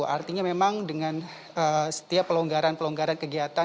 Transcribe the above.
artinya memang dengan setiap pelonggaran pelonggaran kegiatan